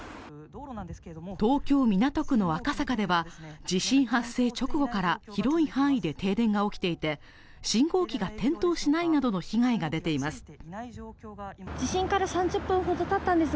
東京・港区の赤坂では、地震発生直後から広い範囲で停電が起きていて、信号機が点灯しないなどの被害が出ています。